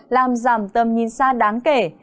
làm giảm tâm nhìn xa đáng kể